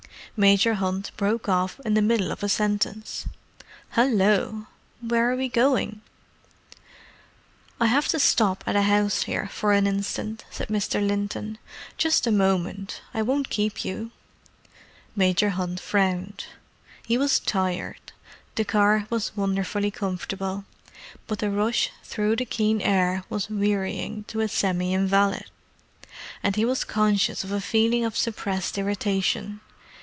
Major Hunt broke off in the middle of a sentence. "Hallo! Where are we going?" "I have to stop at a house here for an instant," said Mr. Linton. "Just a moment; I won't keep you." Major Hunt frowned. He was tired; the car was wonderfully comfortable, but the rush through the keen air was wearying to a semi invalid, and he was conscious of a feeling of suppressed irritation.